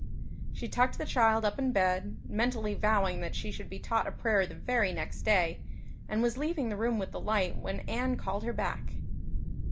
She tucked the child up in bed, mentally vowing that she should be taught a prayer the very next day, and was leaving the room with the light when Anne called her back.